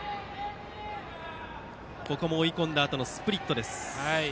ここも追い込んだあとのスプリット。